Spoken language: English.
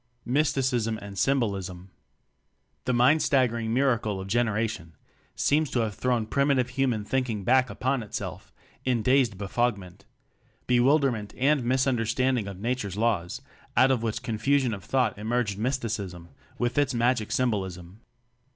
Mysticism and Symbolism. The mind staggering miracle of generation seems to have thrown primitive human thinking back upon itself in dazed befogment bewilder ment and mistunderstanding of Na ture's laws, out of which confusion of thought emerged Mysticism with its magic symbolism.